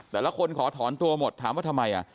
แต่ละคนขอถอนตัวหมดถามว่าทำไม